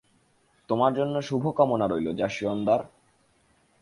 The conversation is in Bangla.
তোমার জন্য শুভকামনা রইল, জাশয়োন্দার।